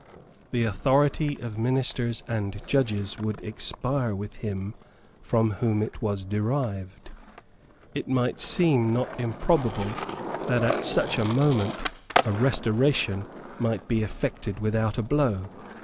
The authority of ministers and judges would expire with him from whom it was derived. It might seem not improbable that at such a moment a restoration might be effected without a blow.